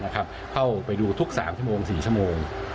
เข้าไปดูทุก๓ชั่วโมง๔ชั่วโมง